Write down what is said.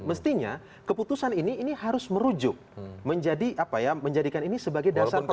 mestinya keputusan ini harus merujuk menjadikan ini sebagai dasar pertimbangan